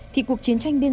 thì cuộc chiến tranh bên